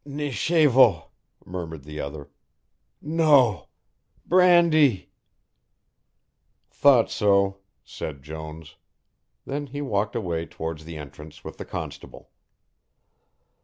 "Nichévo," murmured the other. "No. Brandee." "Thought so," said Jones. Then he walked away towards the entrance with the constable.